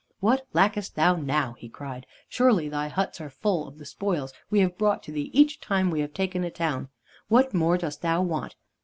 "What lackest thou now?" he cried. "Surely thy huts are full of the spoils we have brought to thee each time we have taken a town. What more dost thou want?